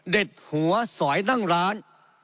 หัวสอยนั่งร้าน